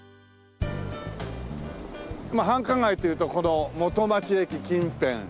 まあ繁華街というとこの元町駅近辺。